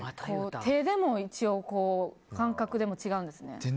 手でも一応、感覚でも違うんですね。